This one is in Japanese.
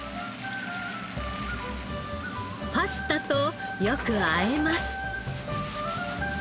パスタとよく和えます。